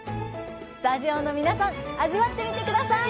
スタジオの皆さん味わってみて下さい！